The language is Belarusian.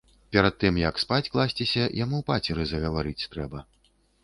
Перад тым як спаць класціся, яму пацеры згаварыць трэба.